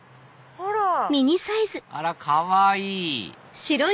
あらかわいい！